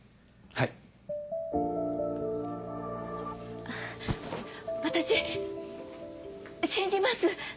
あっ私信じます。